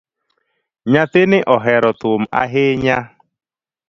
Nyathini ohero thum ahinya